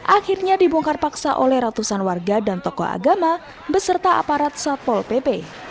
akhirnya dibongkar paksa oleh ratusan warga dan tokoh agama beserta aparat satpol pp